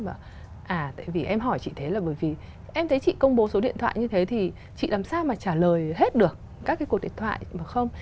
à tại vì em hỏi chị thế là bởi vì em thấy chị công bố số điện thoại như thế thì chị làm sao mà trả lời hết được các cái cuộc điện thoại mà không